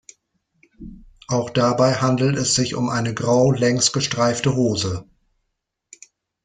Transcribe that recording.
Auch dabei handelt es sich um eine grau-längsgestreifte Hose.